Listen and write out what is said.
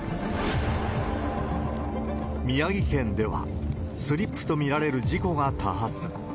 宮城県ではスリップと見られる事故が多発。